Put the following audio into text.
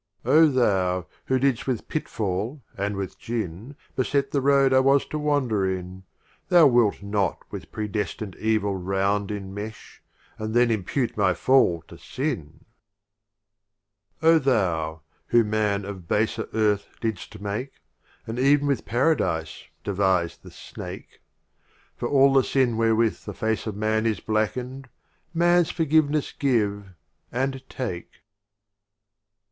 Oh Thou, who didst with pitfall and with gin Beset the Road I was to wander in, Thou wilt not with Predestined Evil round Enmesh, and then impute my Fall to Sin! 29 LXXXI. RubiUyit oh Thou, who Man of baser Earth of Omar ..,. Khayyam didst make, And ev'n with Paradise devise the Snake : For all the Sin wherewith the Face of Man Is blacken'd — Man's forgiveness give — and take!